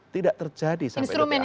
tidak terjadi sampai detik terakhir